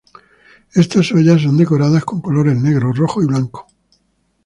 Estas ollas son decoradas con colores negros, rojos y blancos.